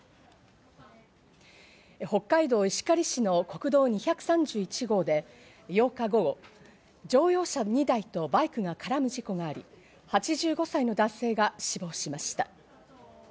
北海道石狩市の国道２３１号で８日午後、乗用車２台とバイクが絡む事故があり、８５歳の男性が死亡しました。